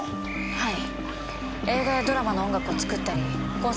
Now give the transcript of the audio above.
はい！